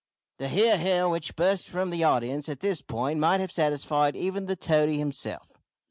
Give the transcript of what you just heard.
The "hear, hear," which burst from the audience at this point might have satisfied even the toady himself!